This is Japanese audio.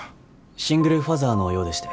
シングルファザーのようでして。